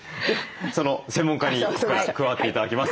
その専門家に加わって頂きます。